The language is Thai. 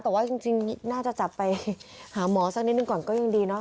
แต่ว่าจริงน่าจะจับไปหาหมอสักนิดหนึ่งก่อนก็ยังดีเนาะ